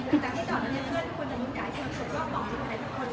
แต่ว่าถ้าให้ต่อเ้งเพื่อนมึงกายทีโดยยังจะบอกให้ใครที่คุย